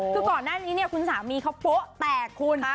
คือก่อนหน้านี้เนี่ยคุณสามีเขาโป๊ะแตกคุณ